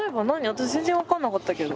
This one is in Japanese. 私全然分かんなかったけど。